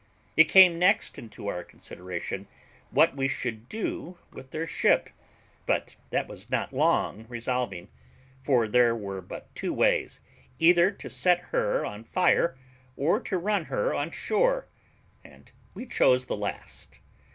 It came next into our consideration what we should do with their ship; but this was not long resolving; for there were but two ways, either to set her on fire, or to run her on shore, and we chose the last.